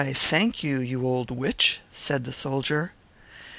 "Thank you, old witch," said the soldier.